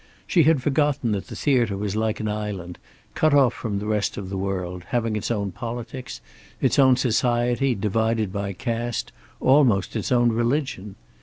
She had forgotten that the theater was like an island, cut off from the rest of the world, having its own politics, its own society divided by caste, almost its own religion.